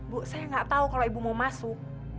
bu saya gak tau kalau ibu mau masuk